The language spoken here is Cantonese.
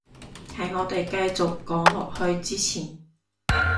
喺我哋繼續講落去之前